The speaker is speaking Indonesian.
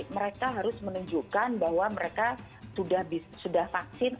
mereka harus menunjukkan bahwa mereka sudah vaksin